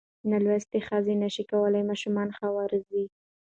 نالوستې ښځې نشي کولای ماشومان ښه وروزي.